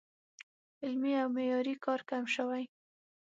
علمي او معیاري کار کم شوی